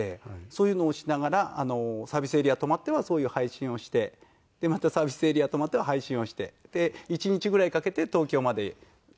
そういうのをしながらサービスエリア止まってはそういう配信をしてでまたサービスエリア止まっては配信をしてで一日ぐらいかけて東京までダラダラと移動していく。